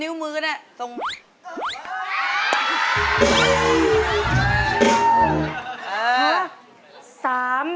เป็นเรื่องราวของแม่นาคกับพี่ม่าครับ